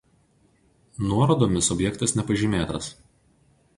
Nuorodomis objektas nepažymėtas.